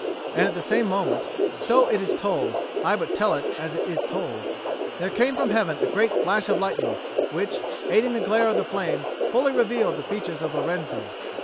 And at the same moment (so it is told, I but tell it as it is told) there came from heaven a great flash of lightning, which, aiding the glare of the flames, fully revealed the features of Lorenzo.